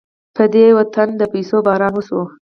په دې وطن د پيسو باران وشو.